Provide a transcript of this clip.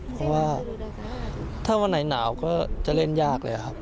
เพราะว่าถ้าวันไหนหนาวก็จะเล่นยากเลยครับ